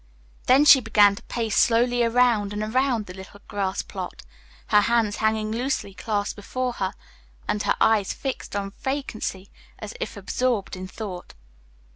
Then she began to pace slowly around and around the little grass plot, her hands hanging loosely clasped before her, and her eyes fixed on vacancy as if absorbed in thought.